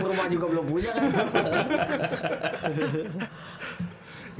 rumah juga belum punya kan